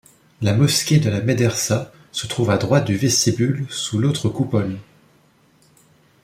La mosquée de la médersa se trouve à droite du vestibule sous l'autre coupole.